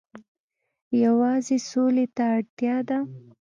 یوازې سولې ته اړتیا ده.